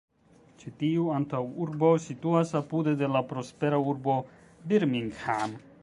Ĉi tiu antaŭurbo situas apude de la prospera urbo Birmingham.